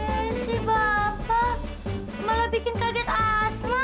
eh si bapak malah bikin kaget asma